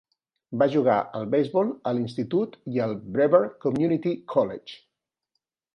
Va jugar al beisbol a l'institut i al Brevard Community College.